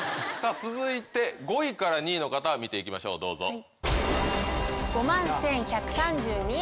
さあ続いて５位から２位の方見ていきましょうどうぞ。